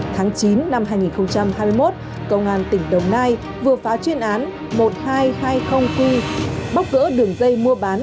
tháng chín năm hai nghìn hai mươi một công an tỉnh đồng nai vừa phá chuyên án một nghìn hai trăm hai mươi q bóc gỡ đường dây mua bán